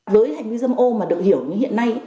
với hành vi dâm ô mà được hiểu như hiện nay